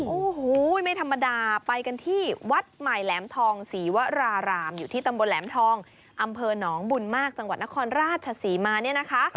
โอ้โหไม่ธรรมดาไปกันที่วัดใหม่แหลมทองศรีวรารามอยู่ที่ตำบลแหลมทองอำเภอหนองบุญมากจังหวัดนครราชศรีมาเนี่ยนะคะ